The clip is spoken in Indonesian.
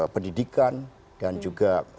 pendidikan dan juga